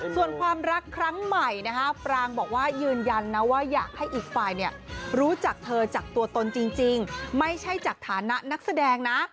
ส่วนความรักครั้งใหม่นะฮะปรางบอกว่ายืนยันนะว่าอยากให้อีกฝ่ายรู้จักเธอจากตัวตนจริงไม่ใช่จากฐานะนักแสดงนะ